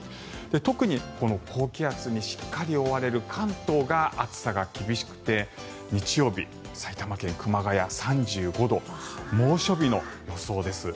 特にこの高気圧にしっかり覆われる関東が暑さが厳しくて日曜日、埼玉県熊谷、３５度猛暑日の予想です。